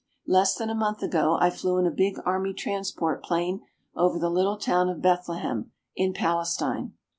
Less than a month ago I flew in a big Army transport plane over the little town of Bethlehem, in Palestine.